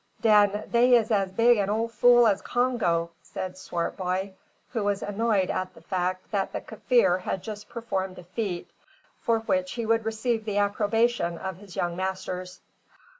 "Den they is as big an ole fool as Congo," said Swartboy who was annoyed at the fact that the Kaffir had just performed a feat for which he would receive the approbation of his young masters.